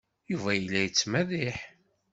Yuba yella yettmerriḥ.